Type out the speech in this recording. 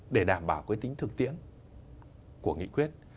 để đảm bảo cái tính thực tiễn của nghị quyết